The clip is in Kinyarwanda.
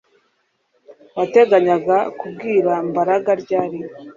Wateganyaga kubwira Mbaraga ryari